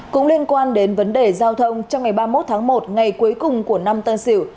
cũng liên quan đến vấn đề giao thông trong ngày ba mươi một tháng một ngày cuối cùng của năm tân sửu